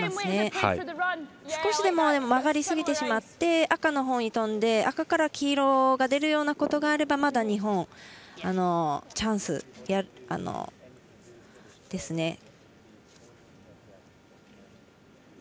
でも少しでも曲がりすぎて赤のほうに飛んで赤から黄色が出るようなことがあればまだ、日本のチャンスですね。